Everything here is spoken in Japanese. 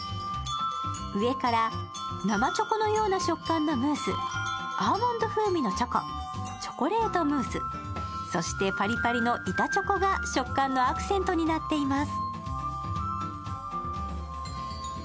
上から生チョコのような食感のムース、アーモンド風味のチョコ、チョコレートムース、そしてパリパリの板チョコが食感のアクセントになっています。